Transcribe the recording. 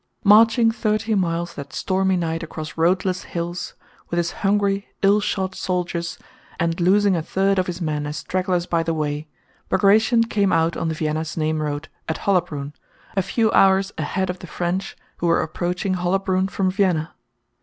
Marching thirty miles that stormy night across roadless hills, with his hungry, ill shod soldiers, and losing a third of his men as stragglers by the way, Bagratión came out on the Vienna Znaim road at Hollabrünn a few hours ahead of the French who were approaching Hollabrünn from Vienna.